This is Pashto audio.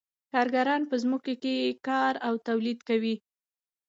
کارګران په ځمکو کې کار او تولید کوي